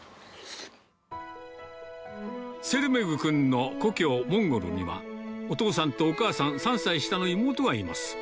ツェルメグ君の故郷、モンゴルには、お父さんとお母さん、３歳下の妹がいます。